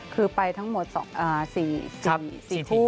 คือไปทั้งหมด๔ที่